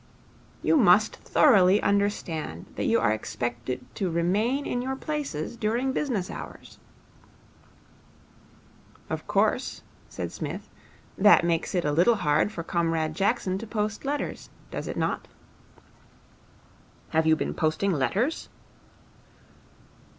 'You must thoroughly understand that you are expected to remain in your places during business hours.' 'Of course,' said Psmith, 'that makes it a little hard for Comrade Jackson to post letters, does it not?' 'Have you been posting letters?'